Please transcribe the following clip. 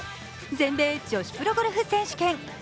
全米女子プロゴルフ選手権。